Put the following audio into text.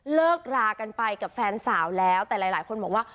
เลิกรากันไปกับแฟนสาวแล้วแต่หลายคนบอกว่า